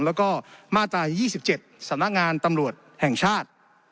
แล้วก็มาตราย๒๗สำนักงานตำรวจแห่งชาติ